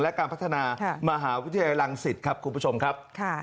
และการพัฒนามหาวิทยาลัยลังศิษย์ครับคุณผู้ชมครับ